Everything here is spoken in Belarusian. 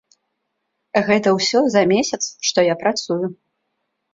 Гэта ўсё за месяц, што я працую.